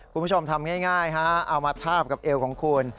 คุณผู้ชมทำง่ายเอามาทาบกับเอวของคุณ